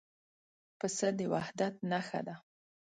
پسه د وحدت نښه ده.